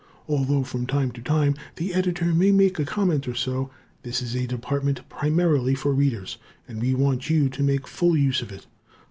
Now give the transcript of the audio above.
Although from time to time the Editor may make a comment or so, this is a department primarily for Readers, and we want you to make full use of it.